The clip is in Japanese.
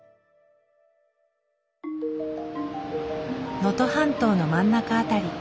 能登半島の真ん中辺り。